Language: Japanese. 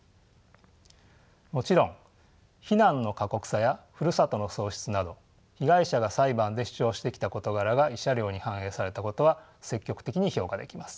もちろん避難の過酷さやふるさとの喪失など被害者が裁判で主張してきた事柄が慰謝料に反映されたことは積極的に評価できます。